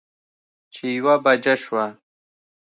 چې يوه بجه شوه